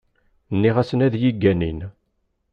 Nniɣ-asen ad yi-ganin.